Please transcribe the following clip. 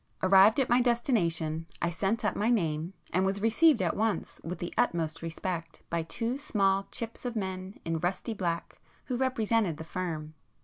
Arrived at my destination, I sent up my name, and was received at once with the utmost respect by two small chips of men in rusty black who represented 'the firm.